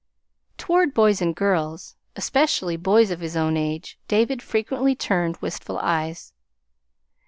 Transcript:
Toward boys and girls especially boys of his own age, David frequently turned wistful eyes.